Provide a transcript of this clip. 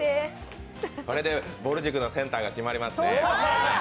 これでぼる塾のセンターが決まりますね。